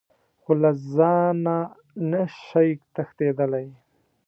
خو له ځانه نه شئ تښتېدلی .